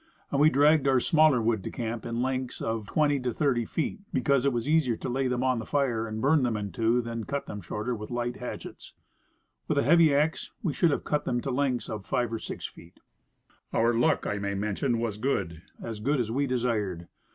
And we dragged our smaller wood to camp in lengths of twenty to thirty feet, be Our Luck. 49 cause it was easier to lay them on the fire and "nig ger" them in two than to cut them shorter with light hatchets. With a heavy axe, we should have cut them to lengths of five or six feet. Our luck, I may mention, was good as good as we desired.